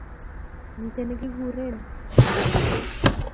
Miten ne kikren koyaakse